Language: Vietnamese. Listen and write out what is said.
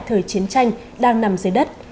thời chiến tranh đang nằm dưới đất